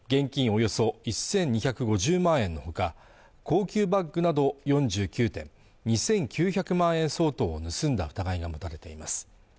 およそ１２５０万円のほか高級バッグなど４９点２９００万円相当を盗んだ疑いが持たれています